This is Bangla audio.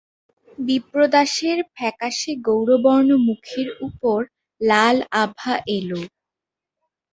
বিপ্রদাসের ফ্যাকাশে গৌরবর্ণ মুখের উপর লাল আভা এল।